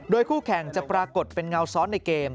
คู่แข่งจะปรากฏเป็นเงาซ้อนในเกม